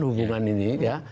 hubungan ini ya